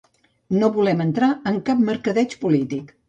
No volem entrar en cap mercadeig polític.